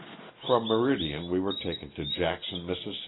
From Meridian we were taken to Jackson, Miss.